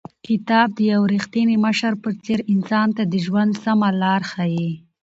کتاب د یو رښتیني مشر په څېر انسان ته د ژوند سمه لار ښیي.